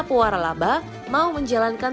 puara labak mau menjalankan